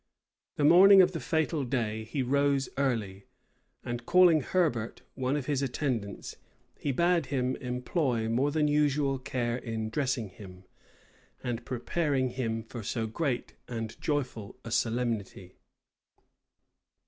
The morning of the fatal day he rose early, and calling Herbert, one of his attendants, he bade him employ more than usual care in dressing him, and preparing him for so great and joyful a solemnity.